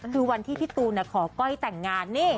คือวันที่พี่ตูนขอก้อยแต่งงานนี่